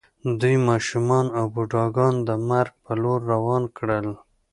دوی ماشومان او بوډاګان د مرګ په لور روان کړل